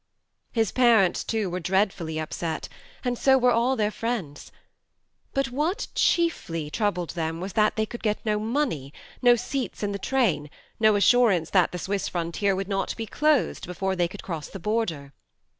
His parents, too, were dreadfully upset ; and so were all their friends. But what chiefly troubled them was that they could get no money, no seats in the train, no assurance that the Swiss frontier would not be closed before they could cross the border.